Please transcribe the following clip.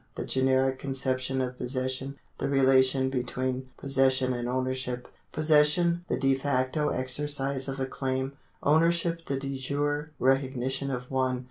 The generic conception of possession. The relation between possession and ownershipi Possession the de facto exercise of a claim. Ownership the de jure recognition of one.